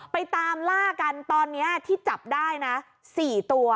ไปตามล่ากันตอนนี้ที่จับได้นะ๔ตัว